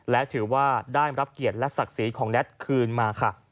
และถือว่าได้รับเกียรติและศักดิ์ศรีของแน็ตคืนมาค่ะ